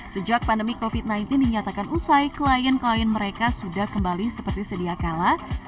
sejak pandemi covid sembilan belas dinyatakan usai klien klien mereka sudah kembali seperti sedia kala